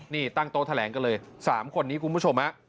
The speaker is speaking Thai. นี่ตั้งโต๊ะแถลงกันเลย๓คนนี้คุณผู้ชมฮะ